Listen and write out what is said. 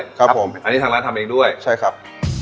ครับผมอันนี้ทางร้านทำเองด้วยใช่ครับ